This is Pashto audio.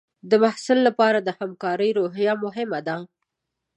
د محصل لپاره د همکارۍ روحیه مهمه ده.